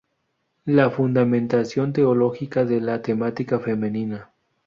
La fundamentación teológica de la temática femenina.